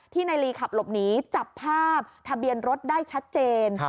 นายลีขับหลบหนีจับภาพทะเบียนรถได้ชัดเจน